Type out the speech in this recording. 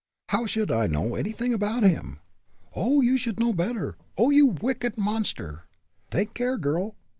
"How should I know anything about him?" "Who should know better? Oh! you wicked monster!" "Take care, girl!"